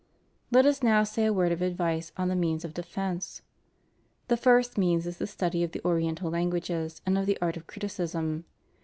Let us now say a word of advice on the means of defence. The first means is the study of the Oriental languages and of the art of criticism.